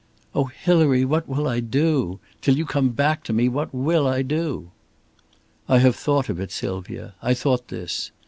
"Oh, Hilary, what will I do? Till you come back to me! What will I do?" "I have thought of it, Sylvia. I thought this.